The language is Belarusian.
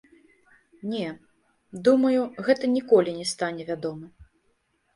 Не, думаю, гэта ніколі не стане вядома.